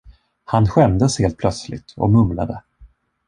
Han skämdes helt plötsligt och mumlade.